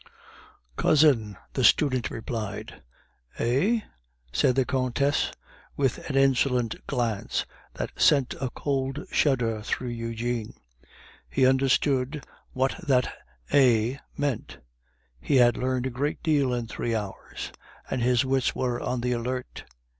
"Cousin..." the student replied. "Eh?" said the Countess, with an insolent glance that sent a cold shudder through Eugene; he understood what that "Eh?" meant; he had learned a great deal in three hours, and his wits were on the alert.